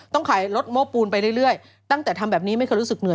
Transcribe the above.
ขายรถโม้ปูนไปเรื่อยตั้งแต่ทำแบบนี้ไม่เคยรู้สึกเห